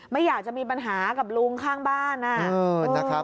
ไม่อยากจะมีปัญหากับลุงข้างบ้านนะครับ